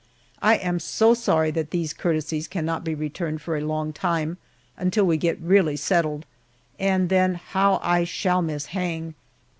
I am so sorry that these courtesies cannot be returned for a long time until we get really settled, and then how I shall miss Hang!